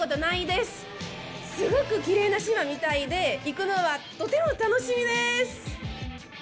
すごくきれいな島みたいで、行くのはとても楽しみです！